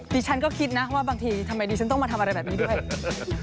ดิฉันก็คิดนะว่าบางทีทำไมดิฉันต้องมาทำอะไรแบบนี้ด้วย